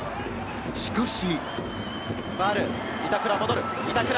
しかし。